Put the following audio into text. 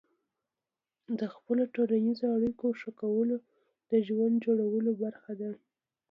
د خپلو ټولنیزو اړیکو ښه کول د ژوند جوړولو برخه ده.